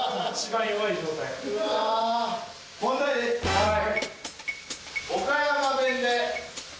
はい。